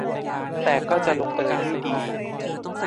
แต่ก็จะลงเอยด้วยดี